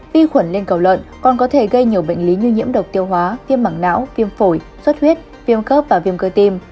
vi khuẩn lên cầu lợn còn có thể gây nhiều bệnh lý như nhiễm độc tiêu hóa viêm mảng não viêm phổi suốt huyết viêm khớp và viêm cơ tim